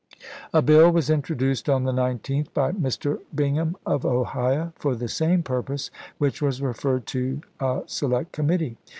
A bill was introduced on the 19th, by chap. xix. Mr. Bingham of Ohio, for the same purpose, which "Giobe," was referred to a select committee.